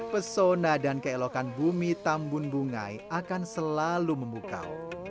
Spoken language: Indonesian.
pesona dan keelokan bumi tambun bungai akan selalu memukau